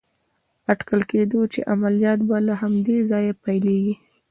اټکل کېده چې عملیات به له همدې ځایه پيلېږي.